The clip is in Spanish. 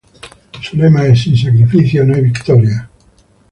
Su lema es "Sin sacrificio, no hay victoria".